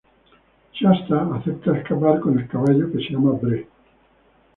Shasta acepta escapar con el caballo, que se llama Bree.